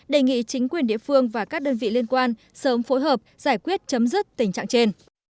đề nghị chính quyền địa phương và các đơn vị liên quan sớm phối hợp giải quyết chấm dứt tình trạng trên